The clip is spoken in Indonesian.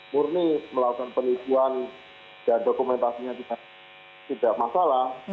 murni melakukan penipuan dan dokumentasinya tidak masalah